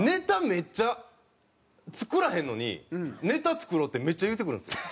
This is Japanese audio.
めっちゃ作らへんのに「ネタ作ろう」ってめっちゃ言うてくるんですよ。